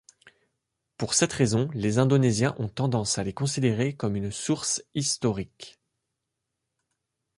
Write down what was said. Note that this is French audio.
Pour cette raison, les Indonésiens ont tendance à les considérer comme une source historique.